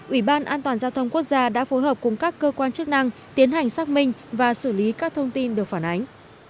ủy ban an toàn giao thông quốc gia đã phối hợp cùng các cơ quan chức năng tiến hành xác minh và xử lý các thông tin được phản ánh